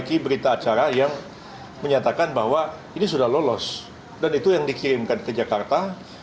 dan juga ada berita acara yang menyatakan bahwa ini sudah lolos dan itu yang dikirimkan ke jakarta